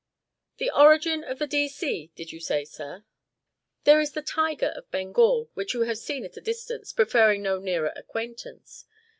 "The origin of the D. C. did you say, sir?" "There is the tiger of Bengal, which you have seen at a distance preferring no nearer acquaintance.